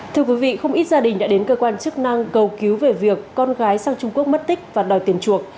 thưa quý vị không ít gia đình đã đến cơ quan chức năng cầu cứu về việc con gái sang trung quốc mất tích và đòi tiền chuộc